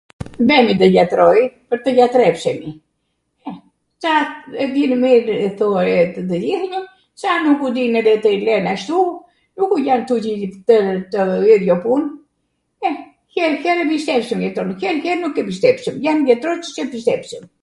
vemi nde jatroi pwr tw jatrepsemi, ca e dinw mirw thuaje tw tw njihnw, ca nuku dinw edhe tw jen ashtu, nuku jan tuti twrw to idhjo pun. E, herw herw embistepsem jatron, her her nuk embistepsem, jan jatro qw s'embistepsem.